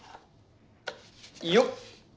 よっ。